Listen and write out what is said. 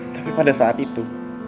tapi pada saat itu